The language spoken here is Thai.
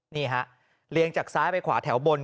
นี่ฮะเลียงจากซ้ายไปขวาแถวบน